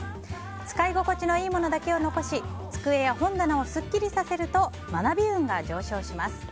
使い心地の良いものだけを残し机や本棚をすっきりさせると学び運が上昇します。